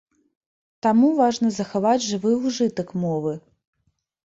Таму важна захаваць жывы ўжытак мовы.